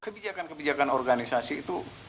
kebijakan kebijakan organisasi itu